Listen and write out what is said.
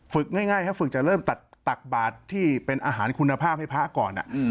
ง่ายครับฝึกจะเริ่มตักบาทที่เป็นอาหารคุณภาพให้พระก่อน